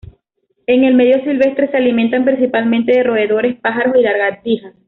En el medio silvestre, se alimenta principalmente de roedores, pájaros y lagartijas.